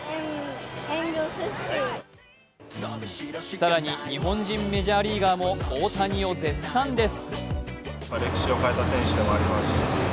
更に日本人メジャーリーガーも大谷を絶賛です。